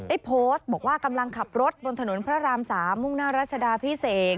โพสต์บอกว่ากำลังขับรถบนถนนพระราม๓มุ่งหน้ารัชดาพิเศษ